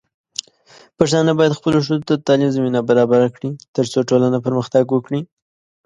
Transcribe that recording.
پښتانه بايد خپلو ښځو ته د تعليم زمينه برابره کړي، ترڅو ټولنه پرمختګ وکړي.